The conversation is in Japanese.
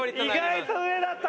意外と上だった。